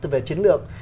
về chiến lược